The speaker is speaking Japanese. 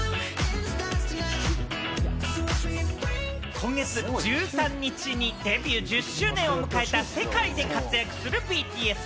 今月１３日にデビュー１０周年を迎えた世界で活躍するＢＴＳ。